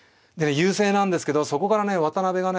優勢なんですけどそこからね渡辺がね